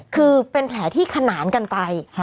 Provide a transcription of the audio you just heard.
คือเป็นแผลที่ขนานกันไป